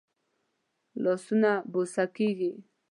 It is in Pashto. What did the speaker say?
لاسونه بوسه کېږي